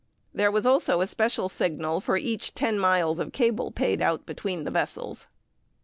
There was also a special signal for each ten miles of cable paid out between the vessels.